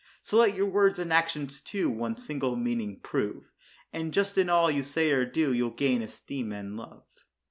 So let your words and actions, too, one single meaning prove, And just in all you say or do, you'll gain esteem and love.